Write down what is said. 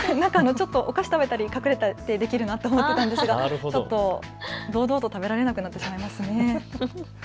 お菓子食べたり、隠れてできるなと思ってたんですけど、堂々と食べられなくなってしまいました。